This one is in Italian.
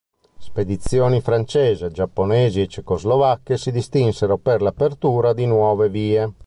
Spedizioni francesi, giapponesi e cecoslovacche si distinsero per l'apertura di nuove vie.